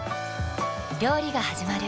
料理がはじまる。